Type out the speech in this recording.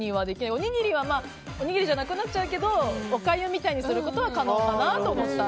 おにぎりはおにぎりじゃなくなっちゃうけどおかゆみたいにすることは可能かなと思った。